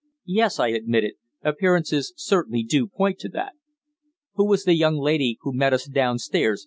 "Yes," I admitted, "appearances certainly do point to that." "Who was the young lady who met us downstairs?"